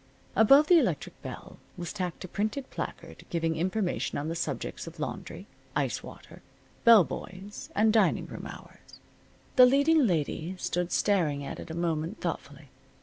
Above the electric bell was tacked a printed placard giving information on the subjects of laundry, ice water, bell boys and dining room hours. The leading lady stood staring at it a moment thoughtfully.